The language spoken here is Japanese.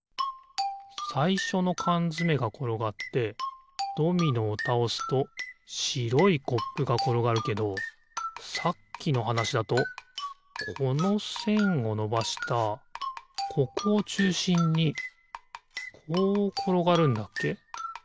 さいしょのかんづめがころがってドミノをたおすとしろいコップがころがるけどさっきのはなしだとこのせんをのばしたここをちゅうしんにこうころがるんだっけ？